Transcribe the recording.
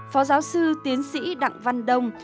phó giáo sư tiến sĩ đặng văn đông